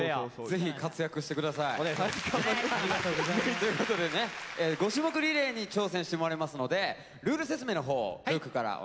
ぜひ活躍して下さい。ということでね五種目リレーに挑戦してもらいますのでルール説明のほうを琉巧からお願いします。